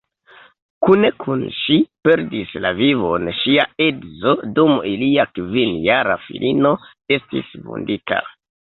Kune kun ŝi perdis la vivon ŝia edzo dum ilia kvinjara filino estis vundita.